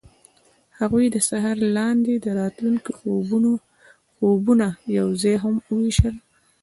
هغوی د سهار لاندې د راتلونکي خوبونه یوځای هم وویشل.